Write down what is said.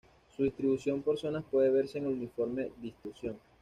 Su distribución por zonas puede verse en el informe ‘Distribución’.